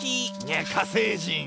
いや火星人！